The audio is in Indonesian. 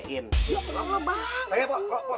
lo kelam lo banget